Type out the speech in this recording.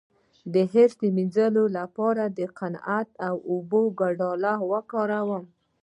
د حرص د مینځلو لپاره د قناعت او اوبو ګډول وکاروئ